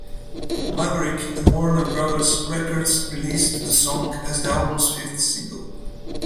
Maverick and Warner Brothers Records released the song as the album's fifth single.